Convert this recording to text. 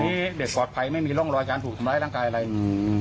ตอนนี้เด็กกวาลไพ้ไม่มีร่องรอยจะถูกสำร้ายร่างกายอะไรอืม